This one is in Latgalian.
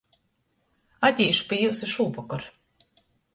Atīšu pi jiusu šūvokor.